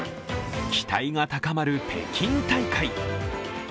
期待が高まる北京大会。